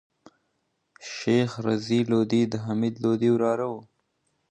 شېخ رضي لودي دحمید لودي وراره وو.